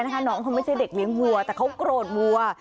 นะคะน้องเขาไม่ใช่เด็กเล้งหัวแต่เขาโกรธวัวอ๋อ